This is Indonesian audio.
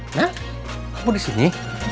hah kamu disini